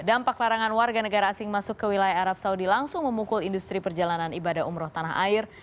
dampak larangan warga negara asing masuk ke wilayah arab saudi langsung memukul industri perjalanan ibadah umroh tanah air